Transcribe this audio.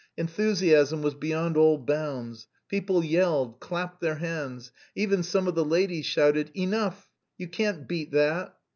Enthusiasm was beyond all bounds: people yelled, clapped their hands, even some of the ladies shouted: "Enough, you can't beat that!"